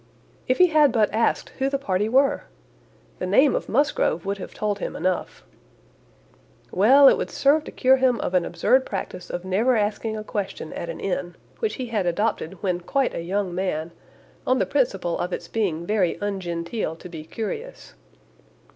If he had but asked who the party were! The name of Musgrove would have told him enough. "Well, it would serve to cure him of an absurd practice of never asking a question at an inn, which he had adopted, when quite a young man, on the principal of its being very ungenteel to be curious.